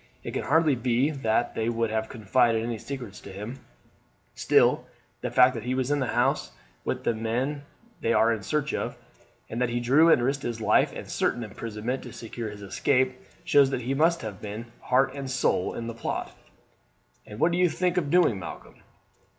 It can hardly be that they would have confided any secrets to him; still, the fact that he was in the house with the man they are in search of, and that he drew and risked his life and certain imprisonment to secure his escape, shows that he must have been heart and soul in the plot." "And what do you think of doing, Malcolm?"